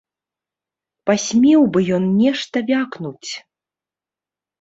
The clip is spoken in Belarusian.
Пасмеў бы ён нешта вякнуць!